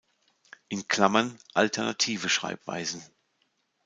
In Klammern: alternative Schreibweisen.